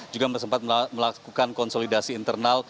juga sempat melakukan konsolidasi internal